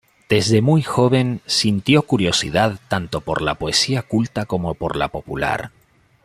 Desde muy joven sintió curiosidad tanto por la poesía culta como por la popular.